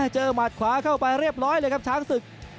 หมัดขวาเข้าไปเรียบร้อยเลยครับช้างศึก